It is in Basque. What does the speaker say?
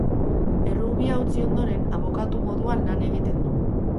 Errugbia utzi ondoren, abokatu moduan lan egiten du.